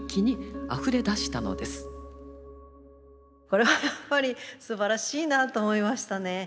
これはやっぱりすばらしいなと思いましたね。